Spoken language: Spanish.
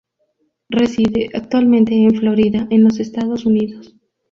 Reside actualmente en Florida en los Estados Unidos.